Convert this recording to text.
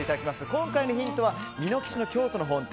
今回のヒントはみのきちの京都本店